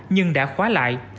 nhưng đã khóa lại